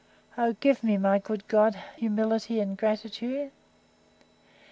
O give me, my good God! humility and gratitude.